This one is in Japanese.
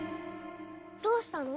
どうしたの？